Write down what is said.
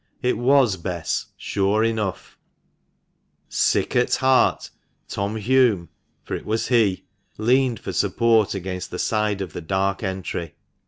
It was Bess, sure enough ! Sick at heart, Tom Hulme, for it was he, leaned for support against the side of the dark entry.